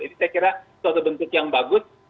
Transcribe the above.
ini saya kira suatu bentuk yang bagus